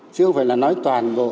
chứ không phải là nói toàn bộ